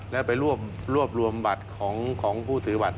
แล้วไปรวบรวมบัตรของผู้ถือบัตร